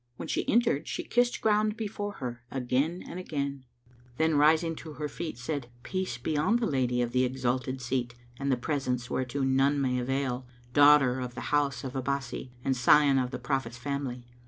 When she entered she kissed ground before her again and again, then rising to her feet, said, "Peace be on the Lady of the exalted seat and the presence whereto none may avail, daughter of the house Abbásí and scion of the Prophet's family!